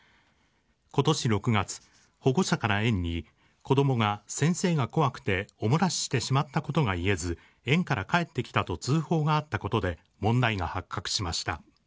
ことし６月、保護者から園に子どもが先生が怖くてお漏らししてしまったことが言えず、園から帰ってきたと通報があったことで問題が発覚しました。